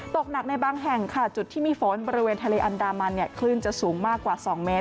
ตกหนักในบางแห่งค่ะจุดที่มีฝนบริเวณทะเลอันดามันเนี่ยคลื่นจะสูงมากกว่า๒เมตร